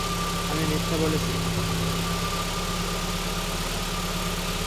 আমি মিথ্যা বলেছি?